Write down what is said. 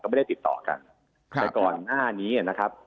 ไม่ได้ติดต่อกันแต่ก่อนหน้านี้นะครับ